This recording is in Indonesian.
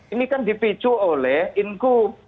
ini dicu oleh inku